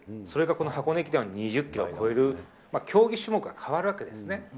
それがこの箱根駅伝は２０キロを超える、競技種目が変わるわけですね。